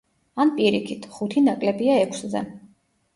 ან პირიქით, ხუთი ნაკლებია ექვსზე.